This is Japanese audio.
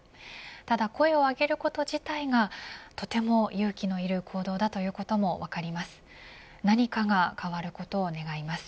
ただ声を上げること自体がとても勇気のいる行動だということも分かります。